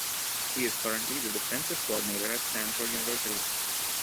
He is currently the defensive coordinator at Stanford University.